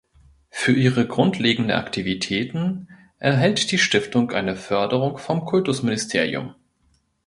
Für ihre grundlegende Aktivitäten erhält die Stiftung eine Förderung vom Kultusministerium.